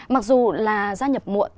mặc dù là gia nhập muộn